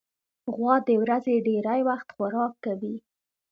غوا د ورځې ډېری وخت خوراک کوي.